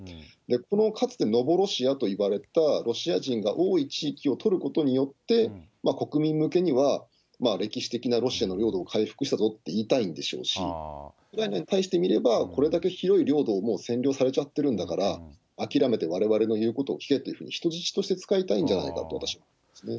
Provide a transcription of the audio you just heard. このかつてノボロシアといわれたロシア人が多い地域をとることによって、国民向けには、歴史的なロシアの領土を回復したぞって言いたいんでしょうし、ウクライナに対して見れば、これだけ広い領土をもう占領されちゃってるんだから、諦めてわれわれの言うことを聞けって、人質として使いたいんじゃないかと思いますね。